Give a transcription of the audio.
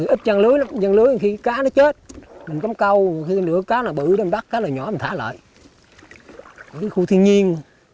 ít chăn lưới lắm chăn lưới khi cá nó chết mình cấm câu cái lửa cá là bự đó mình bắt cá là nhỏ mình thả lại khu thiên nhiên